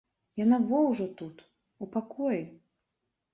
Яна во ўжо тут, у пакоі.